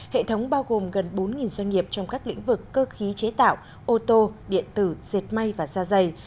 hệ thống bao gồm gần bốn doanh nghiệp trong các lĩnh vực cơ khí chế tạo ô tô điện tử diệt may và da dày